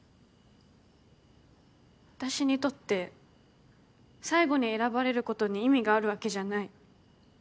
私にとって最後に選ばれることに意味があるわけじゃない。